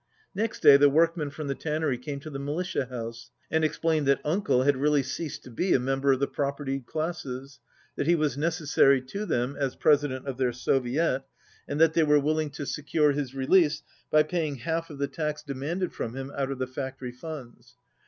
Next day the workmen from the tannery came to the militia house and explained that "Uncle" had really ceased to be a member of the propertied classes, that he was necessary to them as president of their soviet, and that they were willing to secure IS his release by paying half of the tax demanded from him out of the factory funds.